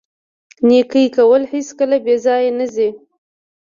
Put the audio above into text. نیکي کول هیڅکله بې ځایه نه ځي.